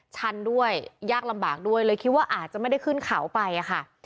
ชันด้วยยากลำบากด้วยเลยคิดว่าอาจจะไม่ได้ขึ้นเขาไปอะค่ะ